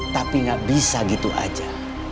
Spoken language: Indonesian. tapi gak bisa gitu aja